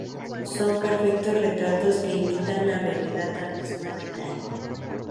Son perfectos retratos que imitan la realidad al mínimo detalle.